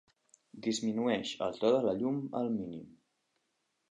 Disminueix el to de la llum al mínim.